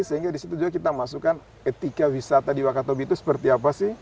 sehingga di situ juga kita masukkan etika wisata di wakatulbi itu seperti apa sih